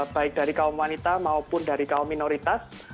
baik dari kaum wanita maupun dari kaum minoritas